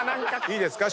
いいですか？